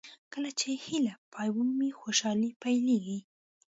کله چې هیلې پای ومومي خوشالۍ پیلېږي.